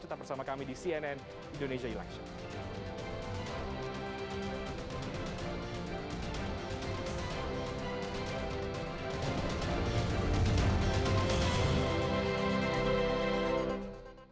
tetap bersama kami di cnn indonesia election